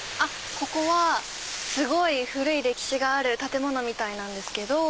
ここはすごい古い歴史がある建物みたいなんですけど。